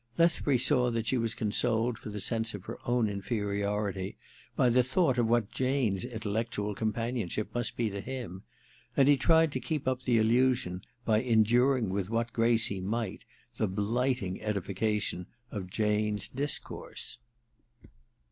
Lethbury saw that she was consoled for the sense of her own inferiority by the thought of what Jane's intellectual companionship must be to him ; and he tried to keep up the illusion by enduring with what grace he might the blighting edification of Jane's discourse.